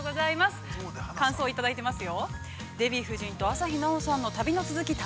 番組の感想をいただいています。